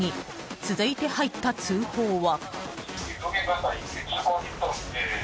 続いて入った通報は。